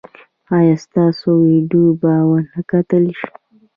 ایا ستاسو ویډیو به و نه کتل شي؟